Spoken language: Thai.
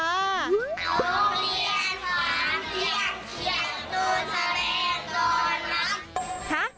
โรงเรียนขาเบียบเขียบน้องเซอร์เบนโดนครับ